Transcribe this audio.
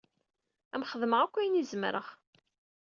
Ad am-xedmeɣ akk ayen i zemreɣ.